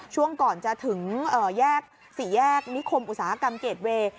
ช่วงก่อนจะถึงแยก๔แยกนิคมอุตสาหกรรมเกรดเวย์